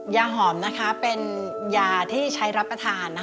ยาหอมเป็นยาที่ใช้รับประทาน